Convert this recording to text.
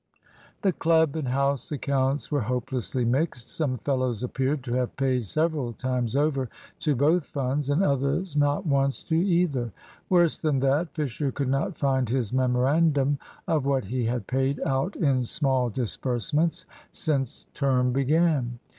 The Club and House accounts were hopelessly mixed. Some fellows appeared to have paid several times over to both funds, and others not once to either. Worse than that, Fisher could not find his memorandum of what he had paid out in small disbursements since term began.